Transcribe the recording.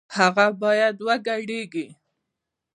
هغه بايد وګډېږي